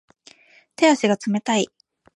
手足が冷たい